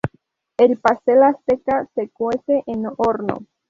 El pastel azteca se cuece en horno.